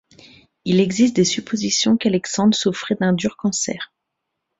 Il existe des suppositions qu'Alexandre souffrait d'un dur cancer.